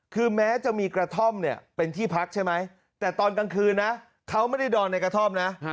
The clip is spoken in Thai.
คือแม้จะมีกระท่อมเนี่ยเป็นที่พักใช่ไหมแต่ตอนกลางคืนนะเขาไม่ได้นอนในกระท่อมนะ